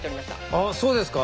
ああそうですか？